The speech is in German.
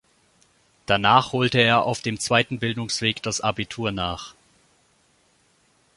Danach holte er auf dem zweiten Bildungsweg das Abitur nach.